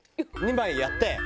２枚やって。